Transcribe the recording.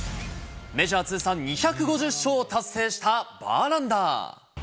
メジャー通算２５０勝を達成したバーランダー。